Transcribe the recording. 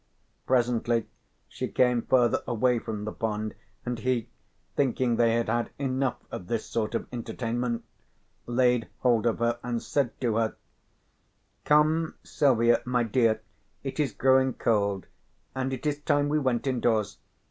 Presently she came further away from the pond, and he, thinking they had had enough of this sort of entertainment, laid hold of her and said to her: "Come, Silvia, my dear, it is growing cold, and it is time we went indoors.